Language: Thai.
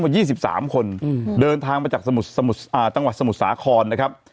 ๒๓คนเดินทางมาจากจังหวัดสมุทรสาครนะครับ